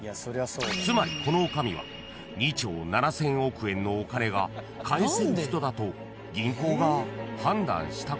［つまりこの女将は２兆７，０００億円のお金が返せる人だと銀行が判断したことになる］